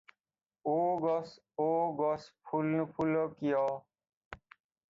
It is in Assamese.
অ’ গছ, অ’ গছ ফুল নুফুল কিয়?”